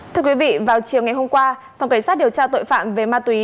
thưa quý vị vào chiều ngày hôm qua phòng cảnh sát điều tra tội phạm về ma túy